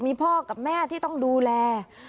มีพ่อกับแม่ที่ต้องดูแล